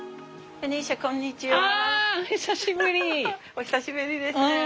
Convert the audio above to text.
お久しぶりですね。